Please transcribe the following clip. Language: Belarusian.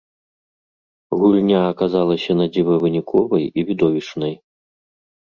Гульня аказалася надзіва выніковай і відовішчнай.